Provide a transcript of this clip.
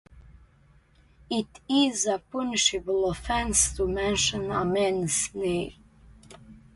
It is a punishable offense to mention a man's name.